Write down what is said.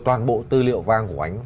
toàn bộ tư liệu vang của anh